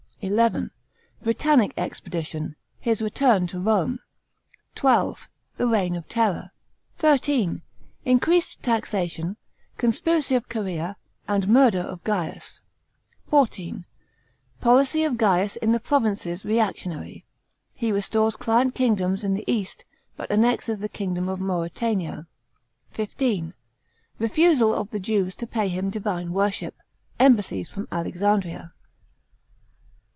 § 11. Britannic expedition. His return to Rome. § V2. The reign of terror. § 13. Increased taxation. Conspiracy of Chserea, and murder of Gaius. § 14. Policy of Gaius in the provinces reactionary. He restores client kingdoms in the East, but annexes the kingdom of Mauretania. § 15. Refusal of the Jews to pay him divine worship. Embassies from Alexandria.